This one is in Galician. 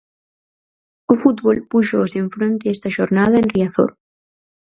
O fútbol púxoos en fronte esta xornada en Riazor.